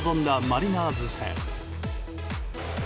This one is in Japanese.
マリナーズ戦。